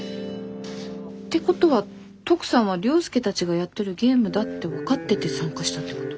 ってことはトクさんは涼介たちがやってるゲームだって分かってて参加したってこと？